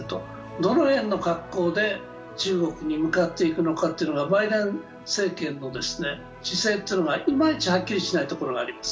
どの辺の格好で中国に向かっていくのかというのが、バイデン政権の姿勢がいまいちはっきりしないところがあります。